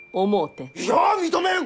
いや認めん！